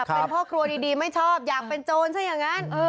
เป็นพ่อครัวดีไม่ชอบอยากเป็นโจรซะอย่างนั้น